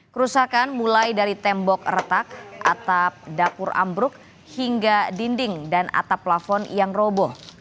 kerusakan mulai dari tembok retak atap dapur ambruk hingga dinding dan atap plafon yang roboh